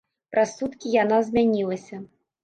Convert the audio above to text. Праз суткі яна змянілася.